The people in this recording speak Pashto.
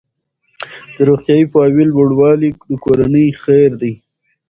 د روغتیايي پوهاوي لوړوالی د کورنۍ خیر دی.